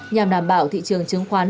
nhằm đảm bảo thị trường chứng khoán